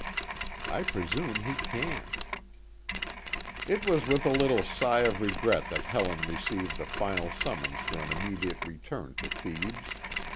I presume he can't. It was with a little sigh of regret that Helen received the final summons for an immediate return to Thebes.